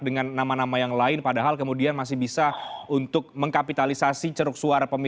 dengan nama nama yang lain padahal kemudian masih bisa untuk mengkapitalisasi ceruk suara